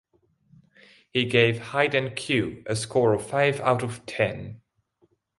He gave "Hide and Q" a score of five out of ten.